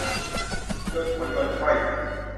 โยนหัวโยนก้อย